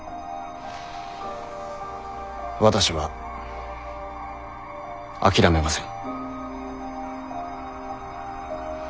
私は諦めません。